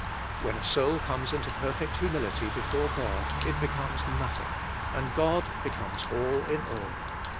'" When a soul comes into perfect humility before God it becomes nothing, and God becomes all in all.